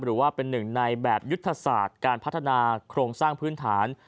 หรือว่าเป็นหนึ่งในแบบยุทธศาสตร์การพัฒนาโครงสร้างพื้นฐาน